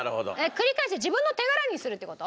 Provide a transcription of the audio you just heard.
繰り返して自分の手柄にするって事？